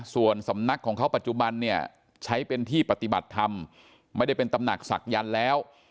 ส่วนสำนักของเขาปัจจุบันเนี่ยใช้เป็นที่ปฏิบัติธรรมไม่ได้เป็นตำหนักศักยันต์แล้ว